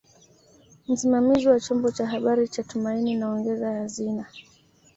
Msimamizi wa chombo cha habari cha Tumaini na ongeza hazina